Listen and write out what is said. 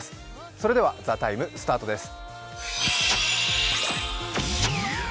それでは、「ＴＨＥＴＩＭＥ，」スタートです。